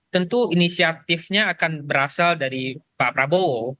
tentu inisiatifnya akan berasal dari pak prabowo